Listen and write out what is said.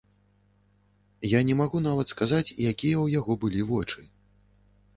Я не магу нават сказаць, якія ў яго былі вочы.